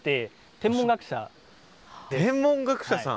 天文学者さん！